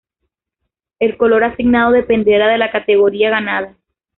El color asignado dependerá de la categoría ganada.